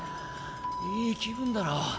いい気分だろ？